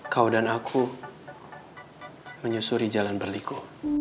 kau dan aku menyusuri jalan berliku